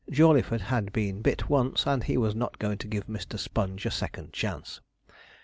Jawleyford had been bit once, and he was not going to give Mr. Sponge a second chance.